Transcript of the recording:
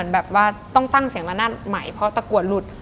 แบบว่าต้องตั้งเสียงละนาดใหม่เพราะตะกรวดหลุด